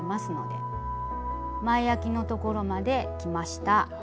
前あきのところまで来ました。